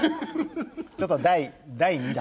ちょっと第２弾。